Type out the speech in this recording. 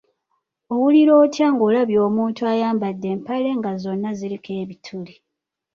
Owulira otya ng'olabye omuntu ayambadde empale nga zonna ziriko ebituli?